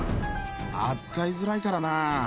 扱いづらいからな。